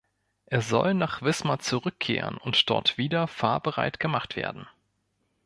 Er soll nach Wismar zurückkehren und dort wieder fahrbereit gemacht werden.